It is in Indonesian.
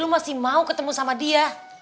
lu masih mau ketemu sama dia